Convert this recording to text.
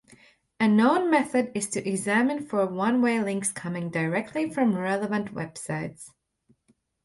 A known method is to examine for one-way links coming directly from relevant websites.